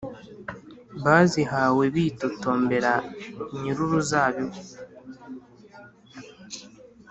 Bazihawe bitotombera nyir’uruzabibu